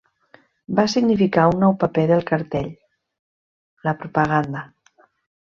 Va significar un nou paper del cartell: la propaganda.